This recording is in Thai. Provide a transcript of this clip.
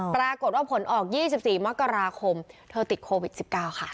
ปรากฏว่าผลออก๒๔มกราคมเธอติดโควิด๑๙ค่ะ